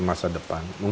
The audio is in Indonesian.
lalu berbagi juga